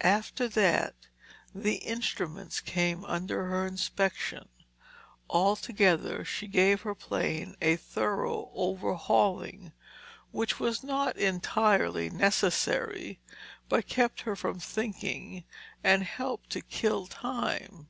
After that, the instruments came under her inspection. Altogether, she gave her plane a thorough overhauling, which was not entirely necessary, but kept her from thinking and helped to kill time.